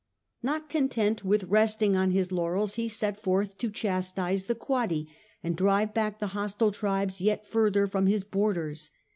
Not content with resting on his laurels he set forth to chastise the Quadi, and drive back the hostile tribes yet further from his borders.